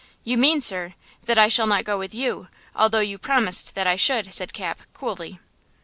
"You mean, sir, that I shall not go with you, although you promised that I should," said Cap, coolly.